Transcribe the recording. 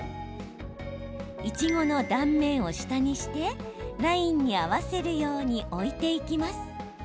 いちごの断面を下にしてラインに合わせるように置いていきます。